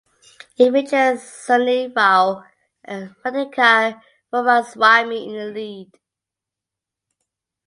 It features Sunil Raoh and Radhika Kumaraswamy in the lead.